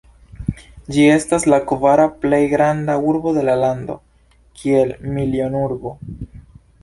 Ĝi estas la kvara plej granda urbo de la lando, kiel milionurbo.